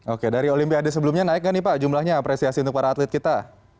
oke dari olimpiade sebelumnya naik nggak nih pak jumlahnya apresiasi untuk para atlet kita